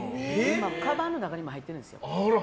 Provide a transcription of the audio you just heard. かばんの中にも入ってるんですよ。